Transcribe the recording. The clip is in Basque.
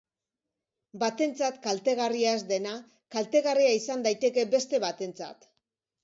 Batentzat kaltegarria ez dena, kaltegarria izan daiteke beste batentzat.